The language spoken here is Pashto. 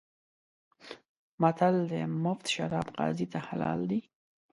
متل دی: مفت شراب قاضي ته حلال دي.